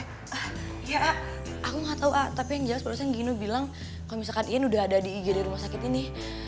iya ah aku gak tau ah tapi yang jelas barusan gino bilang kalo misalkan ian udah ada di ig dari rumah sakit ini